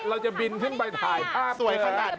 เราจะบินขึ้นไปถ่ายภาพเธอ